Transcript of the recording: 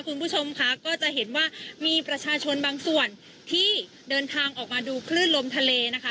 คุณผู้ชมค่ะก็จะเห็นว่ามีประชาชนบางส่วนที่เดินทางออกมาดูคลื่นลมทะเลนะคะ